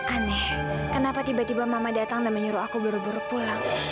aneh kenapa tiba tiba mama datang dan menyuruh aku buru buru pulang